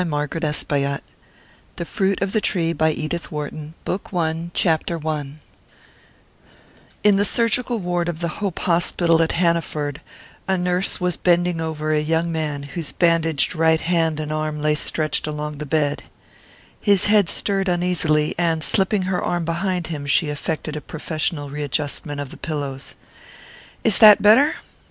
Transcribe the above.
82_ Half way up the slope they met 130 BOOK I THE FRUIT OF THE TREE I IN the surgical ward of the Hope Hospital at Hanaford, a nurse was bending over a young man whose bandaged right hand and arm lay stretched along the bed. His head stirred uneasily, and slipping her arm behind him she effected a professional readjustment of the pillows. "Is that better?"